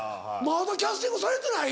まだキャスティングされてない？